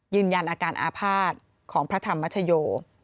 ยืนยันอาการอาภาษณ์ของพระธรรมชโย